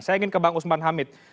saya ingin ke bang usman hamid